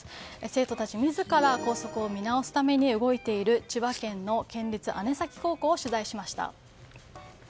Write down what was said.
生徒たち自ら校則を見直すために動いている千葉県の県立姉崎高校を取材しました。